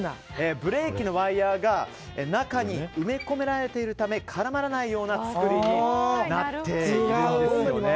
ブレーキのワイヤが中に埋め込められているため絡まらないような作りになっているんですよね。